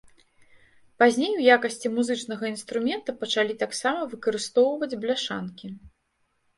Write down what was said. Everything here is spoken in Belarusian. Пазней у якасці музычнага інструмента пачалі таксама выкарыстоўваць бляшанкі.